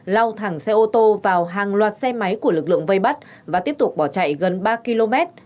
lao thẳng xe ô tô vào hàng loạt xe máy của lực lượng vây bắt và tiếp tục bỏ chạy gần ba km